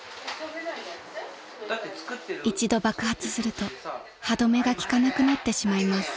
［一度爆発すると歯止めがきかなくなってしまいます］